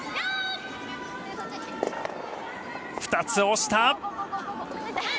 ２つ押した。